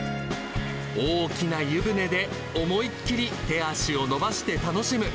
大きな湯船で思いっ切り手足を伸ばして楽しむ。